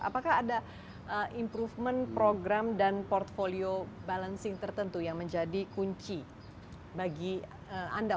apakah ada improvement program dan portfolio balancing tertentu yang menjadi kunci bagi anda